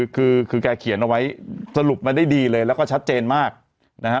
คือแกเขียนเอาไว้สรุปมาได้ดีเลยแล้วก็ชัดเจนมากนะฮะ